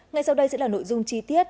ngay sau đây sẽ là nội dung chi tiết